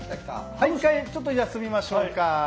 はい一回ちょっと休みましょうか。